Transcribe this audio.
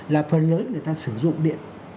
là phần lớn người ta sử dụng điện